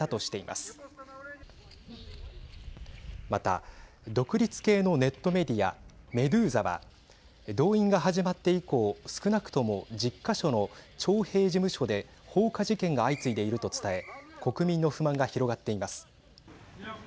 また、独立系のネットメディアメドゥーザは動員が始まって以降、少なくとも１０か所の徴兵事務所で放火事件が相次いでいると伝え国民の不満が広がっています。